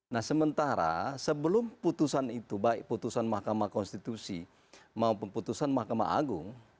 nah sementara sebelum putusan itu baik putusan mahkamah konstitusi maupun putusan mahkamah agung